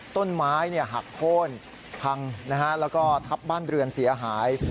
ต้นไม้หักโค้นพังแล้วก็ทับบ้านเรือนเสียหาย